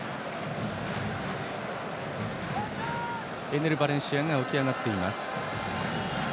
エネル・バレンシアが起き上がっています。